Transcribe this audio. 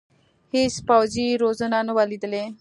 هېڅ پوځي روزنه نه وه لیدلې.